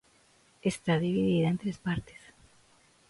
Está dividida en tres partes.